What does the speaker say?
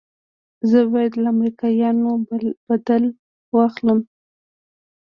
زه بايد له امريکايانو بدل واخلم.